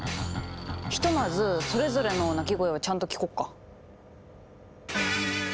ひとまずそれぞれの鳴き声をちゃんと聞こっか。